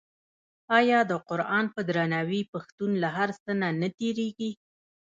آیا د قران په درناوي پښتون له هر څه نه تیریږي؟